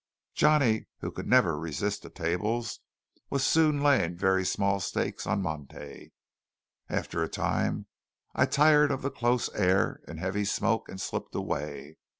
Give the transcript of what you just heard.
Johnny, who could never resist the tables, was soon laying very small stakes on monte. After a time I tired of the close air and heavy smoke, and slipped away.